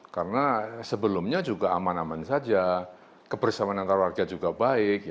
karena sebelumnya juga aman aman saja kebersamaan antar warga juga baik